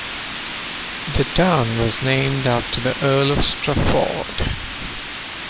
The town was named after the Earl of Strafford.